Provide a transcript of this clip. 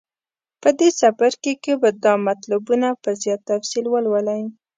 په دې څپرکي کې به دا مطلبونه په زیات تفصیل ولولئ.